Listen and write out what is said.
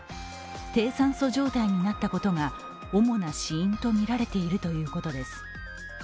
低酸素状態になったことが主な死因とみられているということです。